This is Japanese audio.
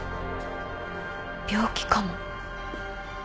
病気かも。